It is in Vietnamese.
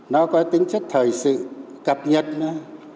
nó có tính chất thời sự cập nhật nó